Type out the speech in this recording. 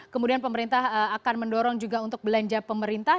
kemudian pemerintah akan mendorong juga untuk belanja pemerintah